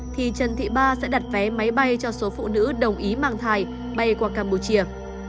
thì trần thị ba sẽ đặt vé máy bay cho số phụ nữ đồng ý mang thai bay qua campuchia